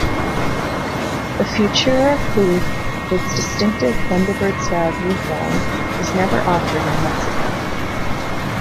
The Futura coupe with its distinctive Thunderbird-styled roofline was never offered in Mexico.